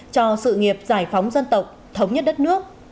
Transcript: cho sự nghiệp giải phóng dân tộc thống nhất đất nước